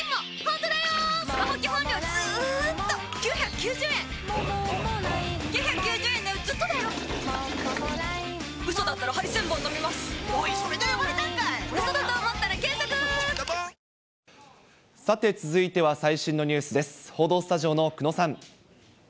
報道スタジオの久野さん。